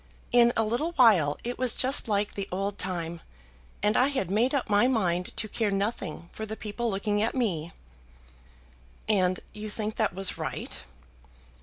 In a little while it was just like the old time, and I had made up my mind to care nothing for the people looking at me." "And you think that was right?"